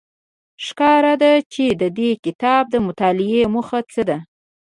ښکاره ده چې د دې کتاب د مطالعې موخه څه ده.